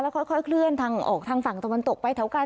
และค่อยคลื่นทางออกทางฝั่งตกลงไปแถวกัน